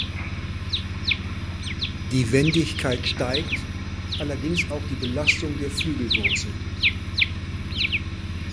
Die Wendigkeit steigt, allerdings auch die Belastung der Flügelwurzel.